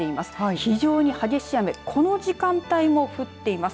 非常に激しい雨この時間帯も降っています。